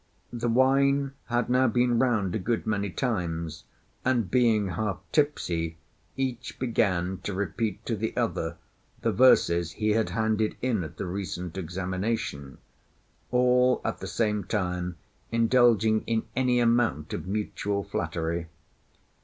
The wine had now been round a good many times, and being half tipsy each began to repeat to the other the verses he had handed in at the recent examination, all at the same time indulging in any amount of mutual flattery.